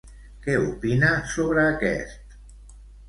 Què opina sobre aquest?